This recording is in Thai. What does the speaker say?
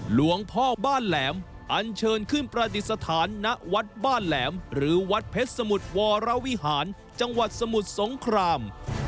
หลวงพ่อบ้านแหลมอันเชิญขึ้นประดิษฐานณวัดบ้านแหลมหรือวัดเพชรสมุทรวรวิหารจังหวัดสมุทรสงคราม